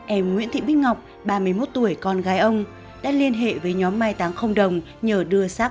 em nguyễn thị bích ngọc ba mươi một tuổi con gái ông đã liên hệ với nhóm mai táng đồng nhờ đưa xác